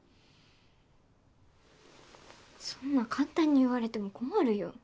そんな簡単に言われても困るよ。